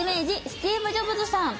スティーブ・ジョブズさん。